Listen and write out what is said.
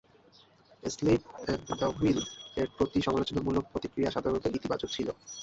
"Asleep at the wheel" এর প্রতি সমালোচনামূলক প্রতিক্রিয়া সাধারণত ইতিবাচক ছিল।